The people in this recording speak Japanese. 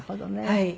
はい。